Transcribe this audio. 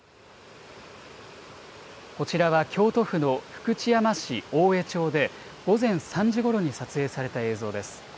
こちらは、京都府の福知山市大江町で、午前３時ごろに撮影された映像です。